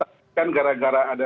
tapi kan gara gara ada